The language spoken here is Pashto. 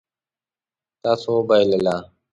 تاسو وبایلله